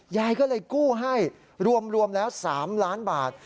ยายก็เลยกู้ให้รวมแล้ว๓ล้านบาท